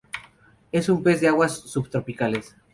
Es un pez de aguas subtropicales.